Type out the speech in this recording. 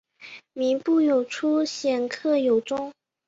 靡不有初鲜克有终